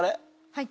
はい。